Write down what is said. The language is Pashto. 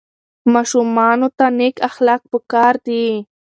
ماشومانو ته نیک اخلاق په کار دي.